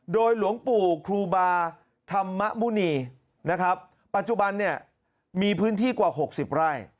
โดยหลวงปู่ครูบาธรรมมุณีนะครับปัจจุบันเนี่ยมีพื้นที่กว่า๖๐ไร่